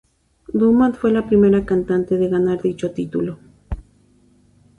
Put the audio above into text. Dumont fue la primera cantante de ganar dicho título.